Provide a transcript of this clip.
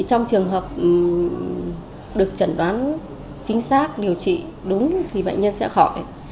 trong trường hợp được chẩn đoán chính xác điều trị đúng thì bệnh nhân sẽ khỏi